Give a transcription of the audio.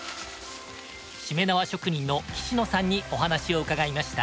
しめ縄職人の岸野さんにお話を伺いました。